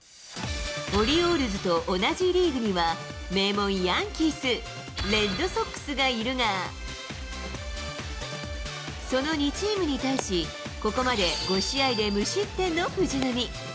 オリオールズと同じリーグには、名門ヤンキース、レッドソックスがいるが、その２チームに対し、ここまで５試合で無失点の藤浪。